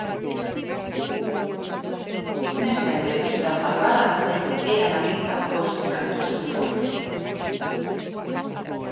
Nesta entrevista fai balance e analiza os retos futuros.